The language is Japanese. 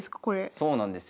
そうなんですよ。